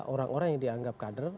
orang orang yang dianggap kader